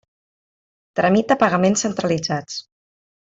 Tramita pagaments centralitzats.